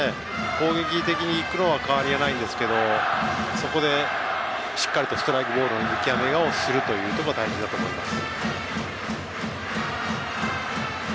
攻撃的に行くのは変わりないですがそこで、しっかりとストライク、ボールの見極めをするのが大事だと思います。